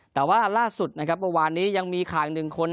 แต่ว่าล่าสุดประวัตินี้ยังมีขายอีกหนึ่งคน